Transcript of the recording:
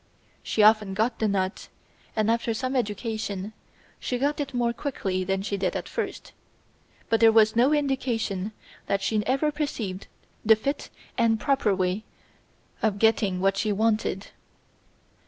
She often got the nut, and after some education she got it more quickly than she did at first, but there was no indication that she ever perceived the fit and proper way of getting what she wanted.